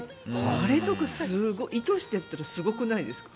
あれとかすごい。意図してやっていたらすごくないですか？